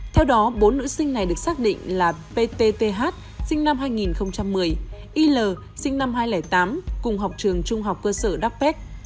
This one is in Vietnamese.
theo đó bốn nữ sinh này được xác định là ptth sinh năm hai nghìn một mươi il sinh năm hai nghìn tám cùng học trường trung học cơ sở dapet